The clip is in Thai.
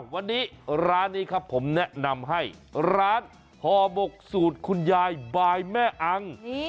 วันนี้ร้านนี้ครับผมแนะนำให้ร้านห่อหมกสูตรคุณยายบายแม่อัง